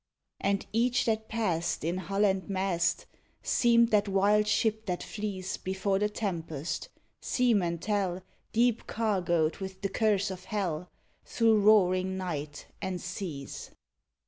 And each that passed, in hull and mast, Seemed that wild ship that flees Before the tempest seamen tell Deep cargoed with the curse of Hell, Through roaring night and seas.